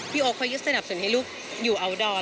พี่โอคเคยยึดสนับสนให้ลูกอยู่เอาท์ดอร์